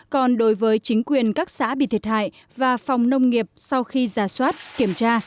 còn đối với chính quyền các xã bị thiệt hại và phòng nông nghiệp sau khi giả soát kiểm tra